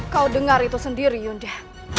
kau dengar itu sendiri yundia